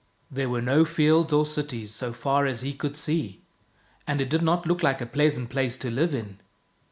There weie no fields or cities, so far as he could see, and it did not look like a pleasant place to live in.